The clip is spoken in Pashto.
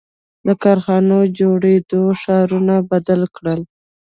• د کارخانو جوړېدو ښارونه بدل کړل.